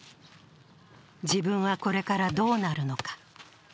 自分はこれからどうなるのか。